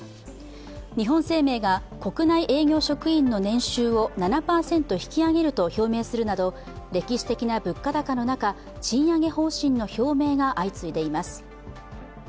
日本生命が国内営業職員の年収を７％引き上げると表明するなど歴史的な物価高の中賃上げ方針の表明が相次いでいます。